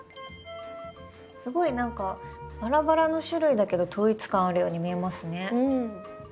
すごい何かバラバラの種類だけど統一感あるように見えますね。